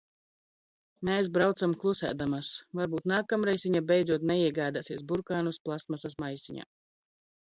Mēs braucam klusēdamas. Varbūt nākamreiz viņa beidzot neiegādāsies burkānus plastmasas maisiņā.